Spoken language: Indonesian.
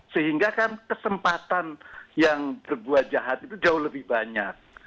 sehingga kan kesempatan yang berbuat jahat itu jauh lebih banyak